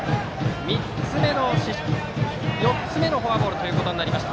４つ目のフォアボールとなりました。